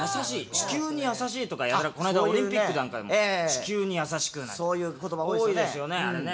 地球に優しいとかこないだオリンピックなんかでも地球に優しくなんて多いですよねあれね。